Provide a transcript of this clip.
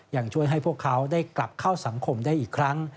ยังช่วยให้พวกเขาได้กลับเข้าสังคมได้อีกครั้ง